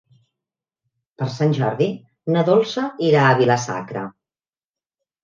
Per Sant Jordi na Dolça irà a Vila-sacra.